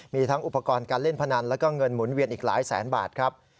มีทั้งอุปกรณ์การเล่นพนันแล้วก็เงินหมุนเวียนอีกหลายแสนบาทครับ